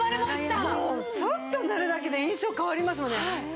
ちょっと塗るだけで印象変わりますもんね。